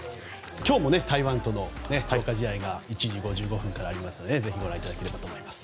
今日も台湾との強化試合が１時５５分からありますのでぜひご覧いただければと思います。